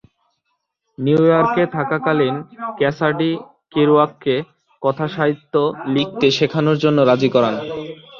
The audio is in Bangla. নিউ ইয়র্কে থাকাকালীন ক্যাসাডি কেরুয়াককে কথাসাহিত্য লিখতে শেখানোর জন্য রাজি করান।